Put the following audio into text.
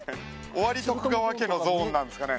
尾張徳川家のゾーンなんですかね？